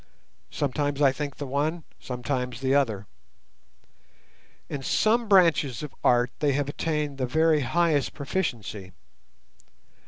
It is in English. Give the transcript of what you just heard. Sometimes I think the one, sometimes the other. In some branches of art they have attained the very highest proficiency.